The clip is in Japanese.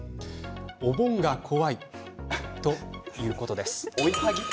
お盆が怖いということです。